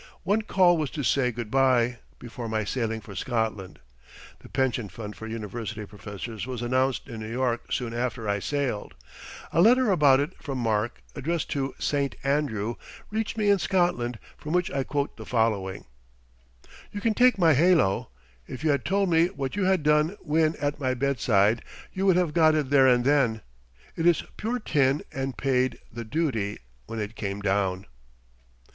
One call was to say good bye, before my sailing for Scotland. The Pension Fund for University Professors was announced in New York soon after I sailed. A letter about it from Mark, addressed to "Saint Andrew," reached me in Scotland, from which I quote the following: You can take my halo. If you had told me what you had done when at my bedside you would have got it there and then. It is pure tin and paid "the duty" when it came down.